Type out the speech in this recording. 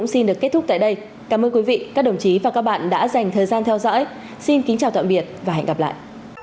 xin chào tạm biệt và hẹn gặp lại